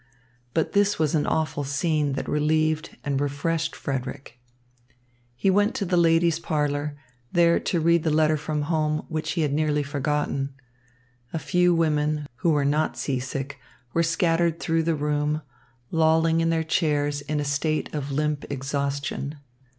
But this was an awful scene that relieved and refreshed Frederick. He went to the ladies' parlour, there to read the letter from home, which he had nearly forgotten. A few women, who were not seasick, were scattered through the room, lolling in their chairs in a state of limp exhaustion.